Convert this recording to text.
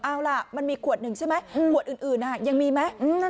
เอาล่ะมันมีขวดหนึ่งใช่ไหมขวดอื่นยังมีไหม